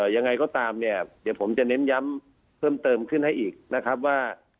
ยังไงก็ตามเนี่ยเดี๋ยวผมจะเน้นย้ำเพิ่มเติมขึ้นให้อีกนะครับว่า